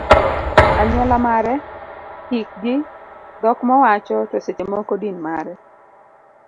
anyuola mare, hikgi, dhok mowacho, to seche moko din mare